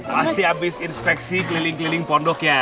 pasti habis inspeksi keliling keliling pondok ya